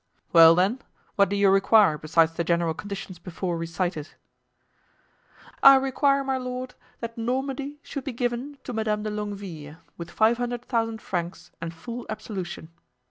"Well, then, what do you require besides the general conditions before recited?" "I require, my lord, that Normandy should be given to Madame de Longueville, with five hundred thousand francs and full absolution.